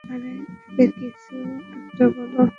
আরে, এতে কিছু একটা হল।